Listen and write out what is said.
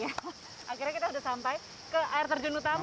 akhirnya kita udah sampai ke air terjun utama ya bang